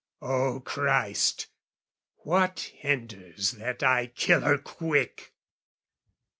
"O Christ, what hinders that I kill her quick?"